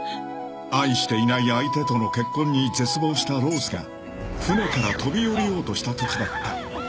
［愛していない相手との結婚に絶望したローズが船から飛び降りようとしたときだった］